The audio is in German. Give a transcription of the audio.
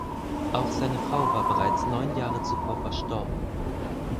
Auch seine Frau war bereits neun Jahre zuvor verstorben.